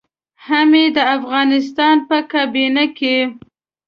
هم يې د افغانستان په کابينه کې.